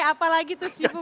apa lagi tuh sifu